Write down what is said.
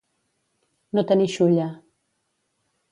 No tenir xulla.